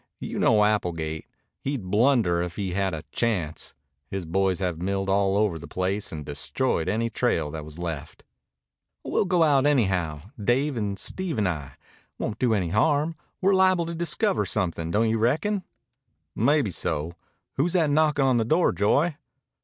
You know Applegate. He'd blunder if he had a chance. His boys have milled all over the place and destroyed any trail that was left." "We'll go out anyhow Dave and Steve and I. Won't do any harm. We're liable to discover something, don't you reckon?" "Maybeso. Who's that knockin' on the door, Joy?"